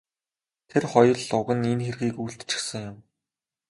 Тэр хоёр л уг нь энэ хэргийг үйлдчихсэн юм.